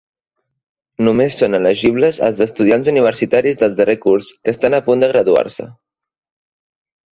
Només són elegibles els estudiants universitaris del darrer curs que estan a punt de graduar-se.